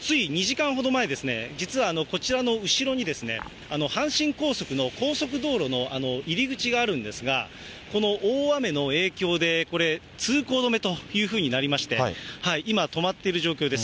つい２時間ほど前ですね、実はこちらの後ろに、阪神高速の高速道路の入り口があるんですが、この大雨の影響で、これ、通行止めというふうになりまして、今、止まっている状況です。